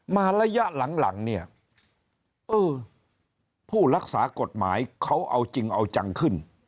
ระยะหลังเนี่ยเออผู้รักษากฎหมายเขาเอาจริงเอาจังขึ้น